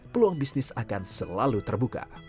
peluang bisnis akan selalu terbuka